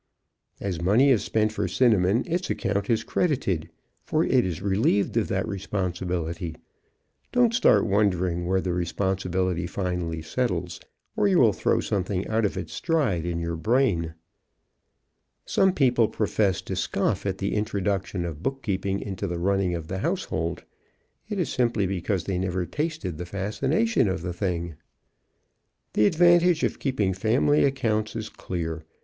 As money is spent for Cinnamon, its account is credited, for it is relieved of that responsibility. Don't start wondering where the responsibility finally settles or you will throw something out of its stride in your brain. [Illustration: "They would have a nice, neat chart suitable for framing."] Some people profess to scoff at the introduction of bookkeeping into the running of the household. It is simply because they never tasted the fascination of the thing. The advantage of keeping family accounts is clear.